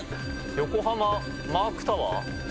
横浜マークタワー？